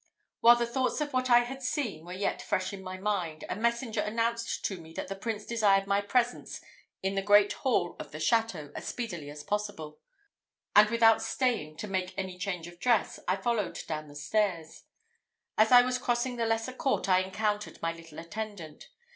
While the thoughts of what I had seen were yet fresh in my mind, a messenger announced to me that the prince desired my presence in the great hall of the château as speedily as possible; and, without staying to make any change of dress, I followed down the stairs. As I was crossing the lesser court, I encountered my little attendant.